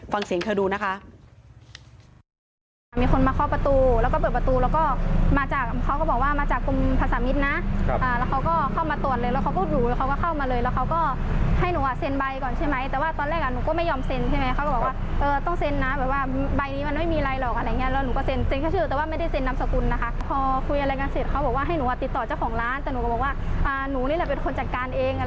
ฟังเสียงเธอดูนะคะ